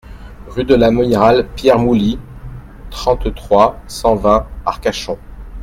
Rue de l'Amiral Pierre Mouly, trente-trois, cent vingt Arcachon